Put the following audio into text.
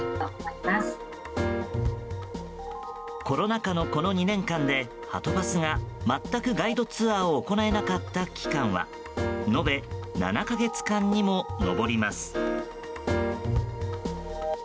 コロナ禍の、この２年間ではとバスが全くガイドツアーを行えなかった期間は延べ７か月間にも上ります。